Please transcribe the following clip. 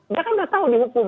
dia kan sudah tahu dihukum